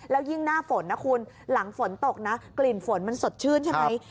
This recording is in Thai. แล้วยิ่งหน้าฝนนะคุณหลังฝนตกนะกลิ่นฝนมันสดชื่นใช่ไหม